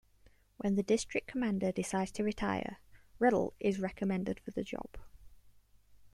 When the district commander decides to retire, Redl is recommended for the job.